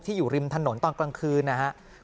อยู่ริมถนนตอนกลางคืนนะครับ